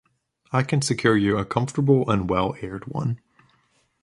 I can secure you a comfortable and well-aired one.